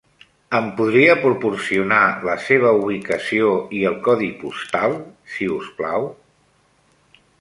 Em podria proporcionar la seva ubicació i el codi postal, si us plau?